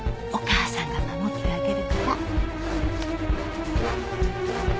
お母さんが守ってあげるから。